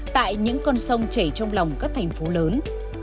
tại những con sông chảy trong lòng các thành phố lớn